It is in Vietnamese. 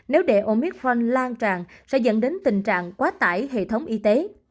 nếu để omicron lan tràn sẽ dẫn đến tình trạng quá tải hệ thống y tế